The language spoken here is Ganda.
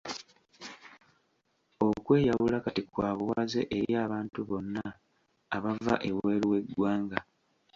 Okweyawula kati kwa buwaze eri abantu bonna abava ebweru w'eggwanga.